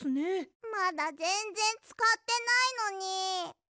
まだぜんぜんつかってないのに。